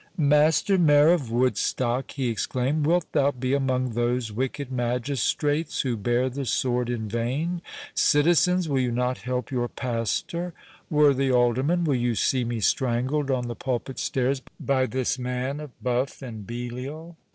"Master Mayor of Woodstock," he exclaimed, "wilt thou be among those wicked magistrates, who bear the sword in vain?—Citizens, will you not help your pastor?—Worthy Alderman, will you see me strangled on the pulpit stairs by this man of buff and Belial?